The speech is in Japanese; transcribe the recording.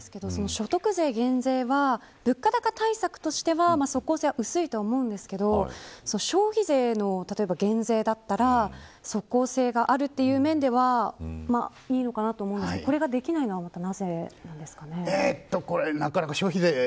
所得税減税は物価高対策としては即効性は薄いと思うんですけど消費税の減税だったら即効性があるという面ではいいのかなと思うんですけどこれができないのはなぜですか。